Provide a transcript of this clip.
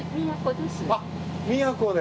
あっ宮古で。